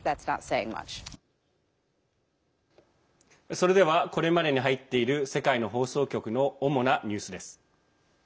それではこれまでに入っている世界の放送局の主なニュースです。